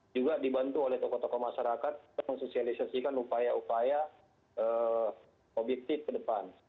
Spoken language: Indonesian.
juga dibantu oleh tokoh tokoh masyarakat mensosialisasikan upaya upaya objektif ke depan